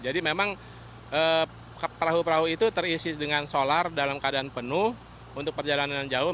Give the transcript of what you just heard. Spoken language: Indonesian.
jadi memang perahu perahu itu terisi dengan solar dalam keadaan penuh untuk perjalanan jauh